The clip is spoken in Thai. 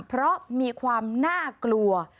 เพราะมีความน่ากลัว